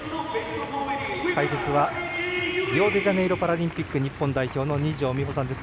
解説はリオデジャネイロパラリンピック日本代表の二條実穂さんです。